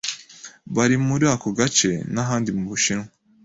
bari muri ako gace n'ahandi mu Bushinwa